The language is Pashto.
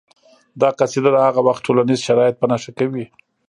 دا قصیده د هغه وخت ټولنیز شرایط په نښه کوي